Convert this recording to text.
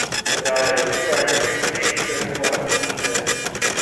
عدالت نے پارلیمنٹ سے یہ درخواست کی ہے